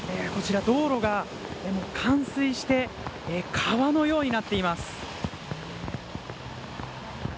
道路が冠水して川のようになっています。